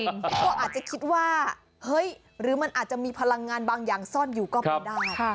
ก็อาจจะคิดว่าเฮ้ยหรือมันอาจจะมีพลังงานบางอย่างซ่อนอยู่ก็เป็นได้